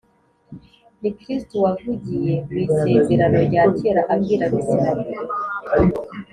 Ni Kristo wavugiye mu Isezerano rya Kera abwira Abisiraheli